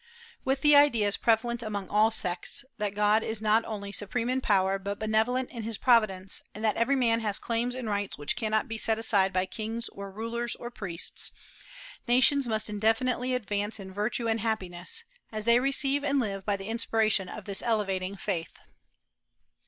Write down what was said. With the ideas prevalent among all sects that God is not only supreme in power, but benevolent in his providence, and that every man has claims and rights which cannot be set aside by kings or rulers or priests, nations must indefinitely advance in virtue and happiness, as they receive and live by the inspiration of this elevating faith.